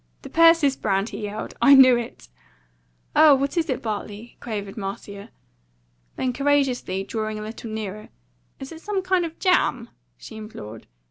"The Persis Brand!" he yelled. "I knew it!" "Oh, what is it, Bartley?" quavered Marcia. Then, courageously drawing a little nearer: "Is it some kind of jam?" she implored.